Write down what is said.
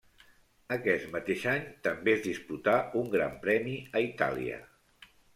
Aquest mateix any també es disputà un Gran Premi a Itàlia.